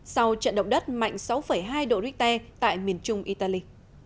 sau trận động đất mạnh sáu hai độ richter tại miền trung italy